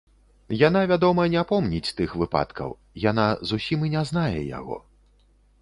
Яна, вядома, не помніць тых выпадкаў, яна зусім і не знае яго.